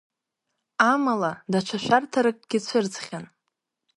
Амала, даҽа шәарҭаракгьы цәырҵхьан.